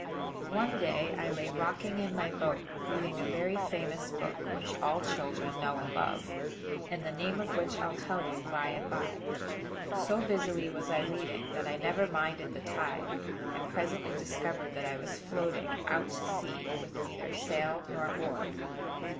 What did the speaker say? One day I lay rocking in my boat, reading a very famous book, which all children know and love; and the name of which I'll tell you by and by. So busily was I reading, that I never minded the tide; and presently discovered that I was floating out to sea, with neither sail nor oar.